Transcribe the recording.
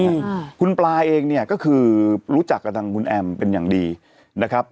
ใช่ค่ะคุณปลาเองเนี่ยก็คือรู้จักกับทางคุณแอมเป็นอย่างดีนะครับ